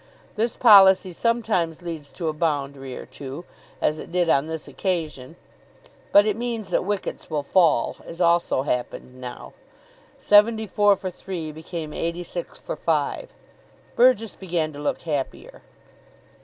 This policy sometimes leads to a boundary or two, as it did on this occasion, but it means that wickets will fall, as also happened now. Seventy four for three became eighty six for five. Burgess began to look happier.